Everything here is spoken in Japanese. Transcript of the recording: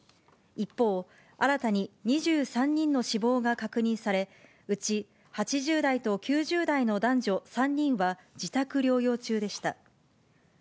一方、新たに２３人の死亡が確認され、うち８０代と９０代の男女３人は自宅療養中でした。